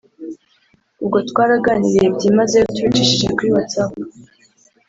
ubwo twaraganiriye byimazeyo tubicishije kuri whatsapp